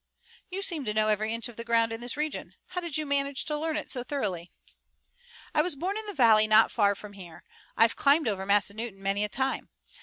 "You seem to know every inch of the ground in this region. How did you manage to learn it so thoroughly?" "I was born in the valley not far from here. I've climbed over Massanutton many a time.